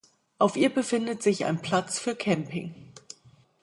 Auf ihr befindet sich ein Platz für Camping.